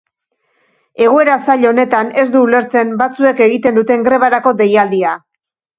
Egoera zail honetan ez du ulertzen batzuek egiten duten grebarako deialdia.